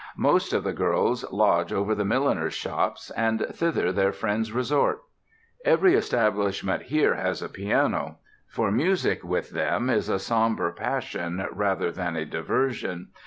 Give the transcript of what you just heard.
Most of the girls lodge over the milliners' shops, and thither their friends resort. Every establishment here has a piano, for music, with them, is a somber passion rather than a diversion.